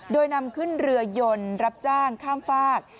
โดยนำขึ้นเรือยนต์รับจ้างข้ามฝาก